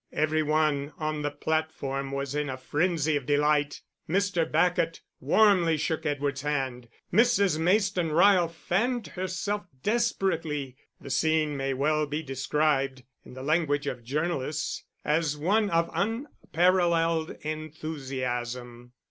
Every one on the platform was in a frenzy of delight. Mr. Bacot warmly shook Edward's hand. Mrs. Mayston Ryle fanned herself desperately. The scene may well be described, in the language of journalists, as one of unparalleled enthusiasm.